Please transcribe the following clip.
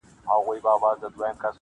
همدې ژبي يم تر داره رسولى-